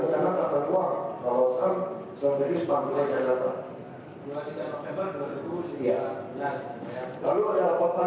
ketemunya di spot drop